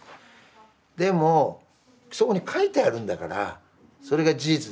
でもそこに描いてあるんだからそれが事実ですよね。